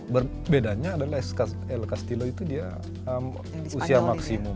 berbedanya adalah el castillo itu dia usia maksimum